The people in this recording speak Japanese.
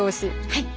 はい。